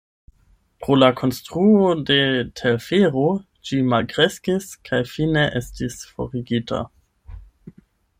Pro la konstruo de telfero ĝi malkreskis kaj fine estis forigita.